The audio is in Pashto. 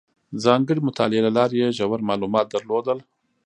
ځانګړې مطالعې له لارې یې ژور معلومات درلودل.